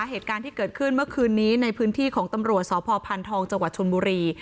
เหตุการณ์ที่เกิดขึ้นเมื่อคืนนี้ในพื้นที่ของตำรวจสพทจชนบุรี